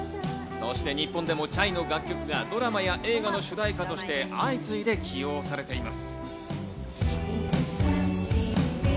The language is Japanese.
そして日本でもＣＨＡＩの楽曲がドラマや映画の主題歌として相次いで起用されています。